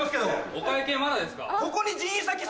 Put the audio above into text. お会計まだですか？